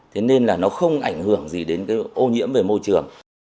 thế nên là nó không ảnh hưởng gì đến cái ô nhiễm về môi trường